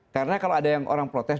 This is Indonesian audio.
karena kalau ada yang orang protes